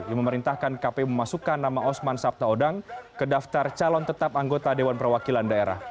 yang memerintahkan kpu memasukkan nama osman sabtaodang ke daftar calon tetap anggota dewan perwakilan daerah